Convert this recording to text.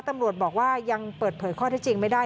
ตำรวจบอกว่ายังเปิดเผยข้อที่จริงไม่ได้